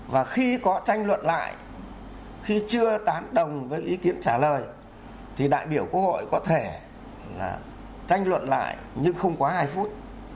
và khi có tranh luận lại khi chưa tán đồng với ý kiến trả lời thì đại biểu quốc hội có thể tranh luận lại nhưng không quá hai phút